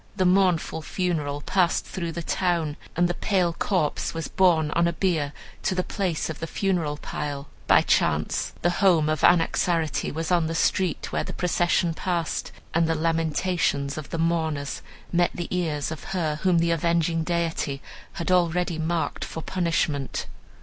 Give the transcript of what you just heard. The mournful funeral passed through the town, and the pale corpse was borne on a bier to the place of the funeral pile. By chance the home of Anaxarete was on the street where the procession passed, and the lamentations of the mourners met the ears of her whom the avenging deity had already marked for punishment.